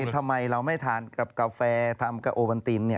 ทำไมเราไม่ทานกับกาแฟทำกับโอวันติน